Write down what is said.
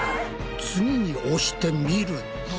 次に押してみると。